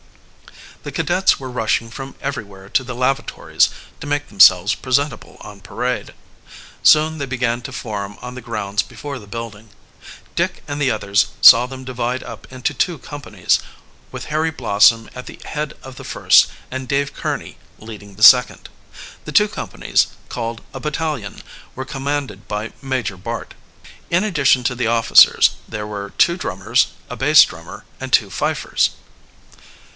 The cadets were rushing from everywhere to the lavatories, to make themselves presentable on parade. Soon they began to form on the grounds before the building. Dick and the others saw them divide up into two companies, with Harry Blossom at the head of the first and Dave Kearney leading the second. The two companies, called a battalion, were commanded by Major Bart. In addition to the officers, there were two drummers, a bass drummer, and two fifers.